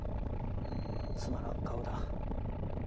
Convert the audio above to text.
つまらん顔だ。